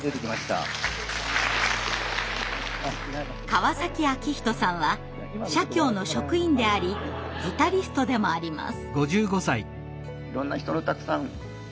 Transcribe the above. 川崎昭仁さんは社協の職員でありギタリストでもあります。